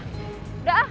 pokoknya udah dateng